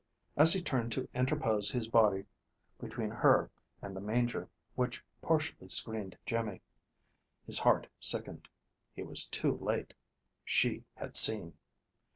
As he turned to interpose his body between her and the manger, which partially screened Jimmy, his heart sickened. He was too late. She had seen.